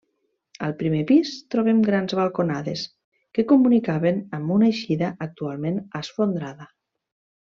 Al primer pis trobem grans balconades que comunicaven amb una eixida actualment esfondrada.